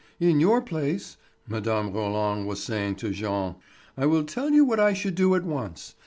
"In your place," Mme. Roland was saying to Jean, "I will tell you what I should do at once.